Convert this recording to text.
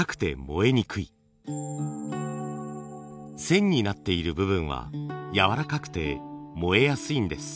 線になっている部分はやわらかくて燃えやすいんです。